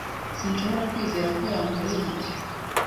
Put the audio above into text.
Sinshobora kwizera ko yankoreye ibyo.